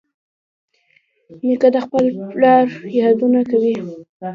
نیکه د خپل پلار یادونه کوي.